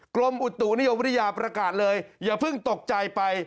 กรมอุตุนิยมวิทยาประกาศเลยอย่าเพิ่งตกใจไป